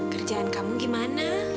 kerjaan kamu gimana